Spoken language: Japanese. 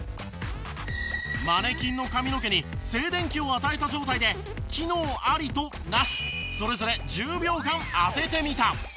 マネキンの髪の毛に静電気を与えた状態で機能ありとなしそれぞれ１０秒間当ててみた。